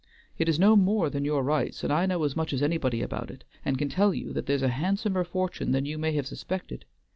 It is no more than your rights, and I know as much as anybody about it, and can tell you that there's a handsomer fortune than you may have suspected.